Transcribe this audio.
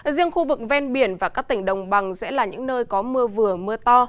riêng khu vực ven biển và các tỉnh đồng bằng sẽ là những nơi có mưa vừa mưa to